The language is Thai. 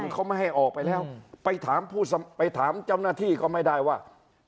เขาไม่ให้ออกไปแล้วไปถามผู้ไปถามเจ้าหน้าที่ก็ไม่ได้ว่า